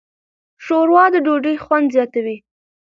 ښوروا د ډوډۍ خوند زیاتوي.